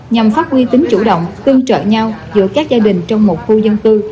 nhằm phát quy tính chủ động tương trợ nhau giữa các gia đình trong một khu dân tư